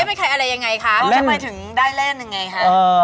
ได้เป็นใครอะไรยังไงคะเล่นแล้วทำไมถึงได้เล่นยังไงคะ